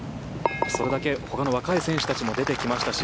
それだけほかの若い選手も出てきましたし